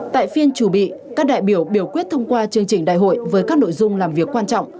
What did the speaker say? tại phiên chủ bị các đại biểu biểu quyết thông qua chương trình đại hội với các nội dung làm việc quan trọng